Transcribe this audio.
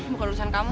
bukan urusan kamu